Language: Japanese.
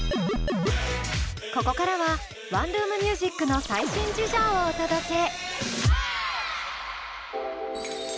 ここからはワンルーム☆ミュージックの最新事情をお届け。